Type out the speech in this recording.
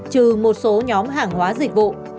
trừ một số nhóm hàng hóa dịch vụ